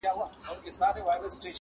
• دغه زما توپاني قام دی -